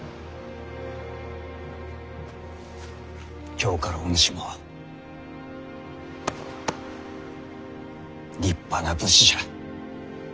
今日からお主も立派な武士じゃ。